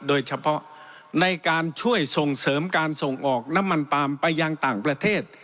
โดยเฉพาะในการช่วยส่งเสริมการส่งออกน้ำมันปาล์มไปยังต่างประเทศ